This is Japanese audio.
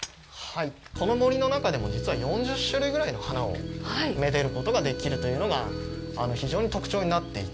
この森の中でも、実は４０種類ぐらいの花をめでることができるというのが非常に特徴になっていて。